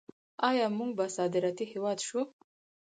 آیا موږ به صادراتي هیواد شو؟